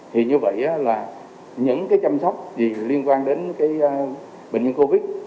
thì như vậy là những chăm sóc liên quan đến bệnh nhân covid